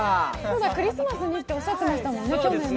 クリスマスにっておっしゃってましたからね。